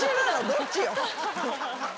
どっちよ。